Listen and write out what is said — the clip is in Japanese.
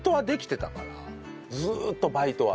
ずーっとバイトは。